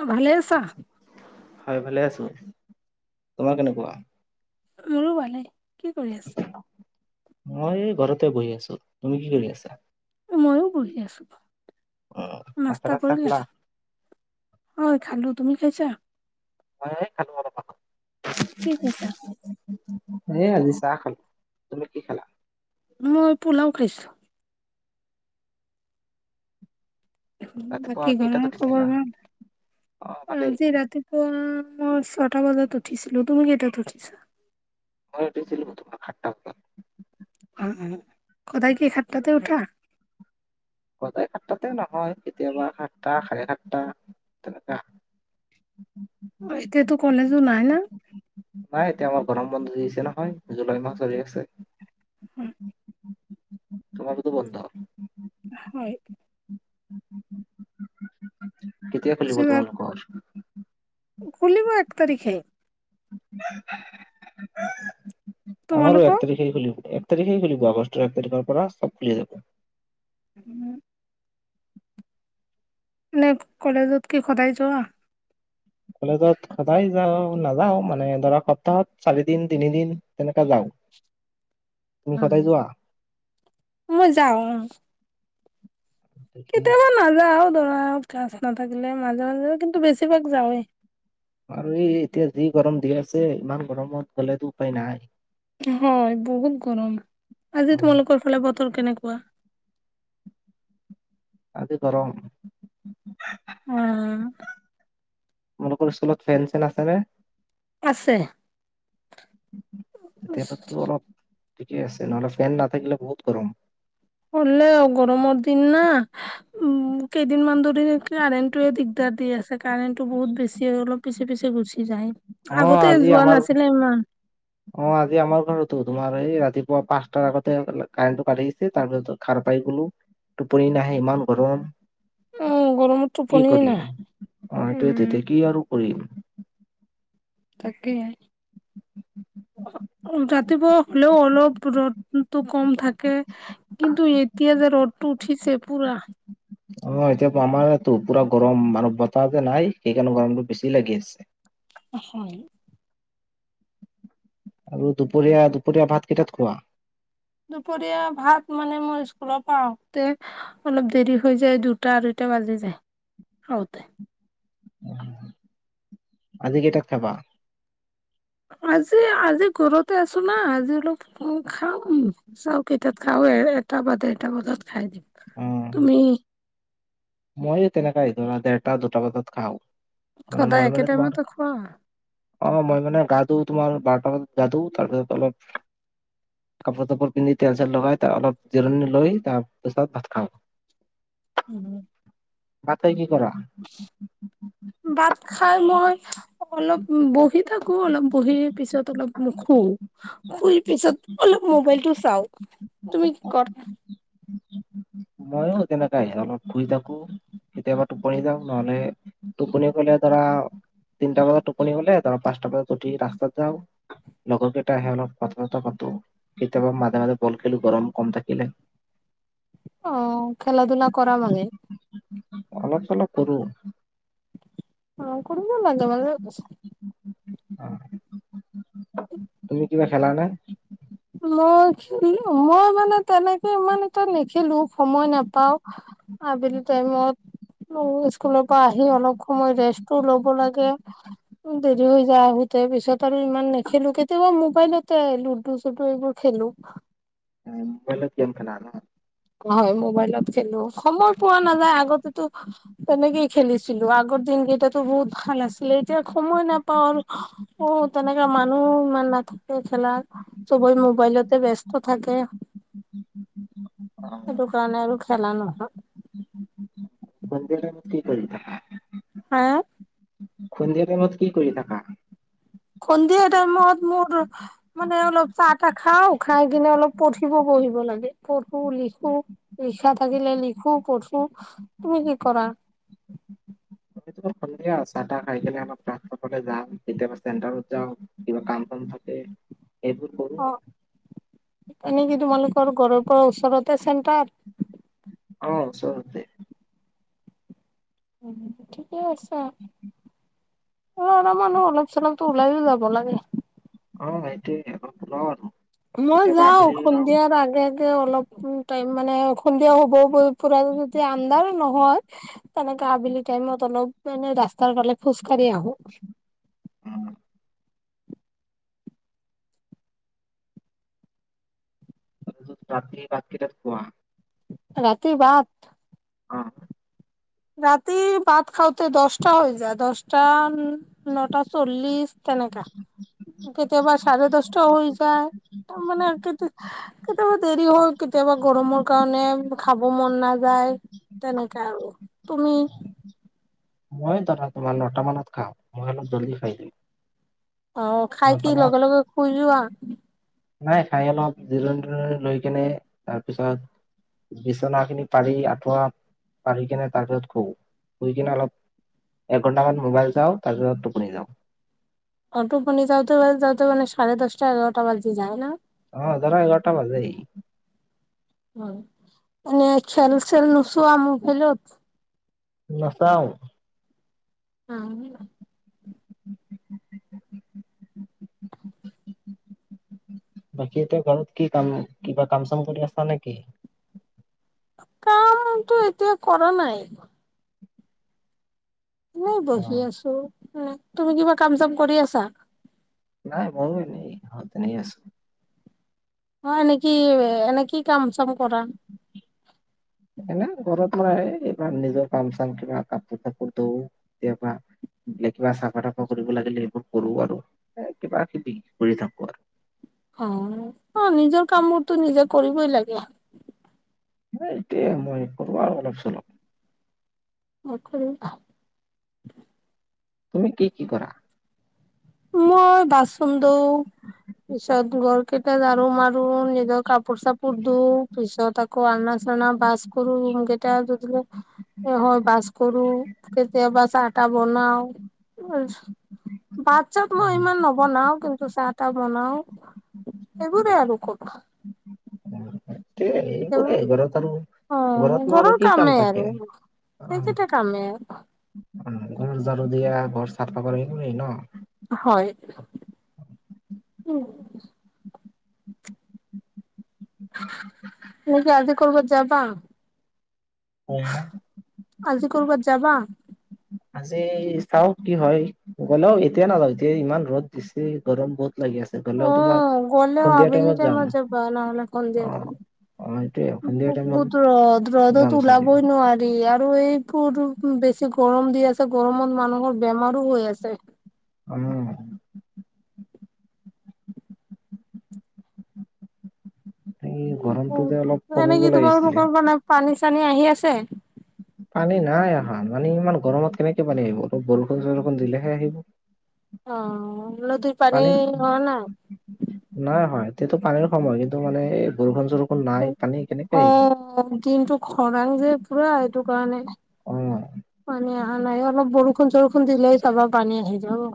অ ভালে আছা হয় ভালে আছো তোমাৰ কেনেকুৱা মোৰো ভালে মই ঘৰতে বহি আছো তুমি কি কৰি আছা মইয়ো বহি আছো নাস্তা ৰাতিপুৱা চাহ কৰিলে খালা? হয় খালো তুমি খাইছা মই খালো অলপ আগত। কি কৈছা। এ আজি চাহ খালো তুমি কি খালা? মই পোলাও খাইছো। ৰাতিপুৱা বাকী কেইটাত ঘৰৰ খবৰ উঠিছিলা? ভাল অ ভালেই। আজি ৰাতিপুৱা। মই ছটা বজাত উঠিছিলো তুমি কেইটাত উঠিছা। মই উঠছিলো তোমাৰ সাতটা বজাত উ উ সদায় কি সাতটাতে উঠা সদায় সাতটাতে নহয় কেতিয়াবা সাতটা চাৰে সাতটা তেনেককা উ এতিয়াতো কলেজো নাই না। নাই এতিয়া আমাৰ গৰম বন্ধু দিছে নহয় জুলাই মাহ চলি আছে। হয়। তোমাৰটোতো বন্ধ। হয় কেতিয়া খুলিব পিছত তোমালোকৰ? খুলিব এক তাৰিখে। আমাৰো এক তোমালোকৰ? তাৰিখে খুলিব। তাৰিখে খুলিব আগষ্টৰ এক তাৰিখৰ পৰা চব খুলি যাব। উম নে কলেজত কি সদায় যোৱা। কলেজত সদায় যাওঁ নাযাও মানে ধৰক সপ্তাহত চাৰিদিন তিনিদিন তেনেকা যাওঁ। [inaudible] তুমি সদায় উম যোৱা মই যাওঁ অ। ঠিকে কেতিয়াবা আছে নাযাও ধৰা ক্লাছ নাথাকিলে মাজে মাজে কিন্তু বেছিভাগ যাওঁৱেই। আৰু এই এতিয়া যি গৰম দি আছে ইমান গৰমত গ'লেতো উপায় নাই। হয় বহুত গৰম আজি অ' তোমালোকৰ ফালে বতৰ কেনেকুৱা। আজি গৰম উ তোমালোকৰ স্কুলত ফেন চেন আছে নে? আছে। তেতিয়া হ'লে অলপ ঠিকে আছে নহ'লে ফেন নাথাকিলে বহুত গৰম। হলোঁও গৰমৰ দিন না উ কেইদিনমান ধৰি কাৰণ্টটোৱে দিগদাৰ। দি আছে কাৰেণ্টটো বহুত বেছি হয় অলপ পিছে পিছে গুচি যায়। অ' আগতে আজি যোৱা আমাৰ নাছিলে ইমান। অ আজি আমাৰ ঘৰতো তোমাৰ এই ৰাতিপুৱা পাঁচটাৰ আগতে কাৰেণ্টটো কাটি দিছে তাৰপিছত ঘাৰ সাপাই গলো টোপনি নাহে ইমান গৰম। অ' গৰমত কি টোপনিয়ে কৰি নাহে। অ এটো উম, তেতি কি আৰু কৰিম তাকাহে যাত পুৱ হ'লেও অলপ ৰ'দতটো কম থাকে কিন্তু এতিয়া যে ৰ'দতটো উঠিছ- তে পুৰা অ এতিয়া আমাৰটো পুৰা গৰম মানৱ বতাহ যে নাই সেইকাৰণে গৰমটো বেছি লাগি আছে। হয় আৰু দুপৰীয়া দুপৰীয়া ভাত কেইটাত খোৱা? দুপৰীয়া ভাত মানে মই স্কুলৰ পৰা আহোতে অলপ দেৰি হৈ যায় দুটা আঢৈটা বাজি যায় আহোঁতে। আজি কেইটাত খাবা? আজি আজি ঘৰতে আছো না আজি অলপ খাও চাওকেইটাত খাও। এটা বাত এটা বজাত খাই দিম। অ', তুমি? মইয়ো তেনেকাই ধৰা দেৰটা দুটা বজাত খাওঁ। মানে মই সদায় একে মানে তোমাৰ টাইমতে খোৱা? অ মই মানে গা ধোওঁ ধোওঁ বাৰটা গা ধোওঁ তাৰপিছত অলপ কাপোৰ তাপোৰ পিন্ধি তেল চেল লগাই তা অলপ জিৰণি লৈ তাপিছত ভাত খাওঁ। [inaudible] উম। ভাত খাইলি? ভাত খাই মই। অলপ বহি থাকোঁ অলপ বহি পিছত অলপ মোক শু শুই পিছত অলপ- মোবাইলটো চাওঁ তুমি ক'ত [inaudible] ময়ো তেনেকাই অলপ শুই থাকোঁ কেতিয়াবা টোপনি যাওঁ নহ'লে। টোপনি গ'লে ধৰা তিনটা মানত টোপনি গ'লে ধৰ পাঁচটা বজাত উঠি ৰাস্তাত যাওঁ। লগৰ কেইটা আহে অলপ কথা চথা পাতোঁ কেতিয়াবা মাজে মাজে বল খেলোঁ গৰম কম থাকিলে। অ খেলা ধূলা কৰা মানে? অলপ চলপ কৰোঁ। অ কোন কোন নাই যোৱা তোমালোকে- অ তুমি কিবা খালা নে? মই খিলো মই মানে। তেনেকে ইমান এটা নেখেলো সময় নাপাওঁ আবেলি টাইমত। স্কুলৰ পৰা আহি অলপ সময় ৰেষ্টো ল'ব লাগে। দেৰি হৈ যায় হেতো পিছত আৰু ইমান নেখেলোঁ কেতিয়াবা মোবাইলতে লুড- লুডো চুডো এইবোৰ খেলোঁ। উ মোবাইলত গেম খেলা ন? হয় মোবাইলত। খেলো সময় পোৱা নাযায় আগতেতো তেনেকেই খেলিছিলোঁ আগৰ দিন কেইটাত বহুত ভাল আছিলে এতিয়া সময় নাপাও আৰু অ তেনেকা মানুহ ইমান নাথাকে। খেলা চবে মোবাইলতে ব্যস্ত থাকে। [inaudible] অ সেইটো কাৰণে আৰু খেলা নহয়। [unintelligible] আ সন্ধিয়া টাইমত কি কৰি থাকা, সন্ধিয়া টাইমত মোৰ মানে অলপ চাহ তাহ খাও খাই কিনে অলপ পঠিব ব পঢ়িব লাগে পঢ়ো লিখো লিখা থাকিলে লিখো পঢ়ো। তুমি কি কৰা? সন্ধিয়া চাহ তাহ খাই কেনে অলপ ঘৰলে যাও কেতিয়াবা চেণ্টাৰত যাও কিবা কাম কাম বন থাকে সেইবোৰ কৰো আৰু। এনে কি তোমালোকৰ ঘৰৰ পৰা ওচৰতে চেণ্টাৰ? অ ওচৰতে। উ ঠিকেই আছা অ এবাৰ মানে অলপ চলপ ওলাইয়ো যাব লাগে। অ সেইটোৱে আক। মই যাও সন্ধিয়াৰ আগে আগে অলপটো টাইম মানে সন্ধিয়া হ'ব পুৰা যদি আন্ধাৰ নহয় তেনেকে- আবেলি টাইমত অলপ মানে ৰাস্তাৰ ফালে খোজ কাঢ়ি আহো। উম। তাৰপিছত ৰাতি ভাত কেইটাত খোৱা। ৰাতি ভাত অ ৰাতি ভাত খাওঁতে দশটা হৈ যায় দহটা নটা চল্লিছ। তেনেকা কেতিয়াবা চাৰে দহটা হৈ যায়। তাৰ মানে কে কেতিয়াবা দেৰি হয় কেতিয়াবা গৰমৰ কাৰণে খাব মন নাযায় তেনেকা আৰু তুমি মই দাদা তোমাৰ নটা মানত খাও মই অলপ জলদি খাই দিও অ খাই কি লগে লগে শুই যোৱা নাই খাই অলপ জিৰণি তিৰণি লৈ কেনে তাৰপিছত বিচনাখিনি পাৰি আঁঠুৱা পাৰি কিনে তাৰপিছত শুও শুই কিনে অলপ এঘন্টামান মোবাইল চাও তাৰপিছত টোপনি যাও অ টোপনি যাওতে যাতে মানে চাৰে দহটা এঘাৰটা বাজি যায় ন অ ধৰা এঘাৰটা বাজেই এ খেল চেল নোচোৱা মোবাইলত নাচাও অ বাকী এতিয়া ঘৰত কি কাম কিবা কাম চাম কৰি আছা নেকি কামটো এতিয়া কৰা নাই মই অ বহি আছো তুমি কিবা কাম চাম কৰি আছা নাই মোৰ এনেই এনেই আছো অ এনেকি এনেকি কাম চাম কৰা এনে ঘৰত মই এইবাৰ নিজৰ কাম চাম কিবা কাপোৰ চাপোৰ ধোও কেতিয়াবা বোলে কিবা চাফা তাফা কৰিব লাগিলে এইবোৰ কৰো আৰু কিবা কিবি কৰি থাকো আৰু অ অ নিজৰ কাম বোৰতো নিজে কৰিবই লাগে এইটোয়ে মই কৰোঁ আৰু অলপ চলপ নকৰিবা তুমি কি কি কৰা মই বাচন ধোও পিছত ঘৰ কেইটা ঝাৰু মাৰো নিজৰ কাপোৰ চাপোৰ ধূও পিছত আকৌ আনা চানা পা [unintelligible] কেইটা যে এ হয় বাস কৰো কেতিয়াবা চাহটা বনাও উ [unintelligible] চাওঁক মই ইমান নবনাও কিন্তু চাহ তাহ বনাও এইবোৰে আৰু কৰো কেতিয়াবা এইবোৰে ঘৰত আৰু অ ঘৰতনো আৰু কি কাম থাকে এই কেইটা কামে অহ ঘৰ ঝাড়ু দিয়া ঘৰ চাফ এইবোৰে ন হয় উম তুমি কি আজি কৰবাত যাবা আজি কৰ বাত যাবা আজি চাওঁ কি হয় গ'লেও এতিয়া নাযাওঁ এতিয়া ইমান ৰ'দ দিছে গৰম বহুত লাগি আছে গ'লেও তোমাৰ অহ গ'লে সন্ধিয়া আবেলি যাম টাইমত যাবা নহ'লে সন্ধিয়া অ'। টাইমত অ', সেইটোয়ে সন্ধিয়া টাইমত বহুত ৰ'দ যাম ৰ'দত চাগে ওলাবই নোৱাৰি আৰু এইবোৰ বেছি বেছি গৰম দি আছে গৰমত মানুহৰ বেমাৰো হৈ আছে উম এই উম গৰমটো যে অলপ বহুতো কমিব এনেকে লাগিছিলে। তোমালোকৰ পিনে পানী চানী আহি আছে পানী নাই অহা মানে ইমান গৰমত কেনেকে পানী আহিব অলপ বৰষুণ চৰষুণ দিলেহে আহিব অহ নদীৰ পানী পানীৰ হোৱা নাই এইটো পানীৰ সময় কিন্তু মানে বৰষুণ চৰষুন অহ দিনটো খৰাং যে পুৰা এইটো কাৰণে অ পানী অহা নাই অলপ বৰষুণ চৰষুণ দিলেই চাবা পানী আহি যাব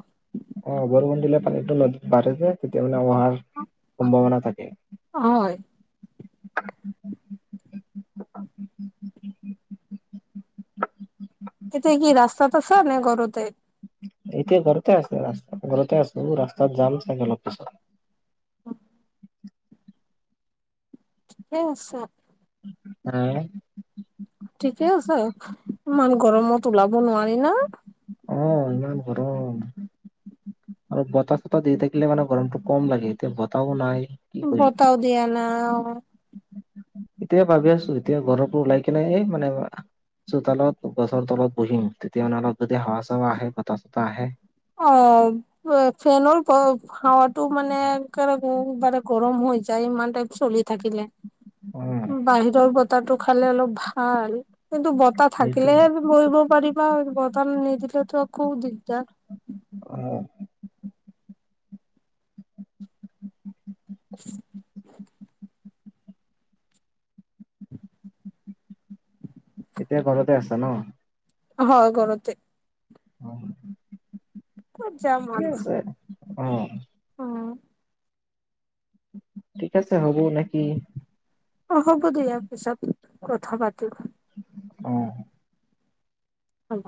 অহ বৰষুণ দিল পানীটো নদীত বাঢ়ে তেতিয়া অহাৰ সম্ভাৱনা থাকে হয় [unintelligible] [unintelligible] এতিয়া কি ৰাস্তাত আছে নে ঘৰতে এতিয়া ঘৰতে আছে ৰাস্তা ঘৰতে আছো ৰাস্তাত যাম চাগে অলপ পিছত এয়া ‌চা হে ঠিকে আছে। হলেই ন অহ ইমান গৰম আৰু বতাহ চতাহ দি থাকিলে মানে গৰমটো কম লাগে এতিয়া বতাহও নাই কি কৰিম বতাও দিয়া নাই অহ এতিয়া ভাবি আছো এতিয়া ঘৰৰ পৰা ওলাই কিনে এই মানে চোতালত গছৰ তলত বহিম তেতিয়া অলপ যদি হাৱা চাৱা বতাহ চতাহ আহে অহ ফেনৰ খাৱাটো মানে কে লে বাৰে গৰম মই যাই ইমান টাইপ চলি থাকিলে অ বাহিৰৰ বতাহটো খালে অলপ ভাল কিন্তু বতাহ সেইটোৱে থাকিলেহে বহিব পাৰিবা বতাহ নিদিলেতো খুব দিগদাৰ অহ [unintelligible] এতিয়া ঘৰতে আছা ন হয় ঘৰতে অহ ক'ত যাম ঠিকেই আৰু আছে অহ উম, ঠিক আছে হ'ব নে অহ হ'ব দিয়াৰ পিছত কথা পাতিব অহ হব